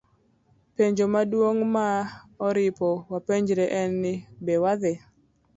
Penjo maduong' ma oripo wapenjre en ni be wadhi